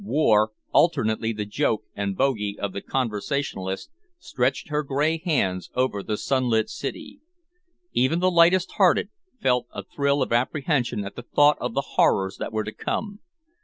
War, alternately the joke and bogey of the conversationalist, stretched her grey hands over the sunlit city. Even the lightest hearted felt a thrill of apprehension at the thought of the horrors that were to come.